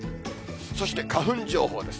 そして花粉情報です。